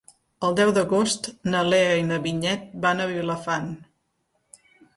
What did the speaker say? El deu d'agost na Lea i na Vinyet van a Vilafant.